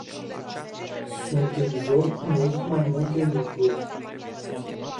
Sunt în joc mult mai multe lucruri.